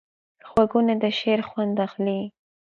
غوږونه د شعر خوند اخلي